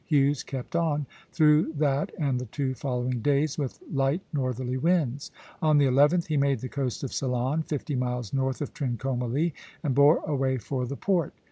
Hughes kept on, through that and the two following days, with light northerly winds. On the 11th he made the coast of Ceylon, fifty miles north of Trincomalee, and bore away for the port.